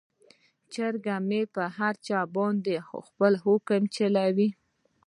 چرګه مې په هر چا باندې خپل حکم چلوي.